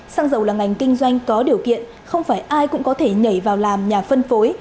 xăng dầu là ngành kinh doanh có điều kiện không phải ai cũng có thể nhảy vào làm nhà phân phối